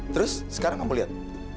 terus sekarang kamu lihat